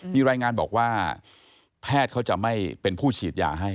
มีรายงานบอกว่าแพทย์เขาจะไม่เป็นผู้ฉีดยาให้